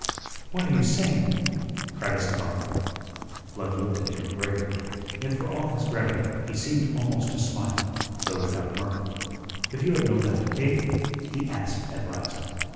"What are you saying?" cried Esteban. Blood looked at him gravely. Yet for all his gravity he seemed almost to smile, though without mirth. "If you had known that, eh?" he asked at last.